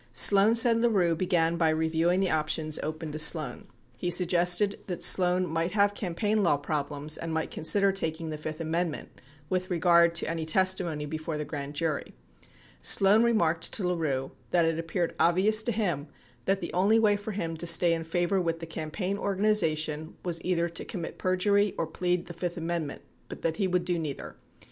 Sloan said LaRue began by reviewing the options open to Sloan. He suggested that Sloan might have campaign law problems and might consider taking the fifth amendment with regard to any testimony before the grand jury. Sloan remarked to LaRue that it appeared obvious to him that the only way for him to stay in favor with the campaign organization was either to commit perjury or plead the fifth amendment, but that he would do neither.